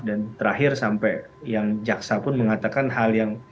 dan terakhir sampai yang jaksa pun mengatakan hal yang